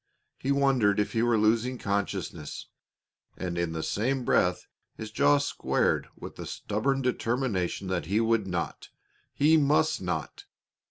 He wondered if he were losing consciousness, and in the same breath his jaw squared with the stubborn determination that he would not he must not!